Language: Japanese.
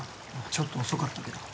ちょっと遅かったけど。